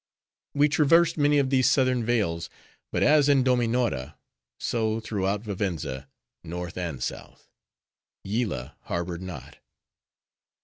We traversed many of these southern vales; but as in Dominora,—so, throughout Vivenza, North and South,—Yillah harbored not.